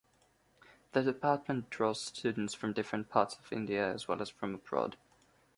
The department draws students from different parts of India as well as from abroad.